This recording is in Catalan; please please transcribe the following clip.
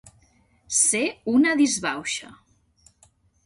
Ser una disbauxa.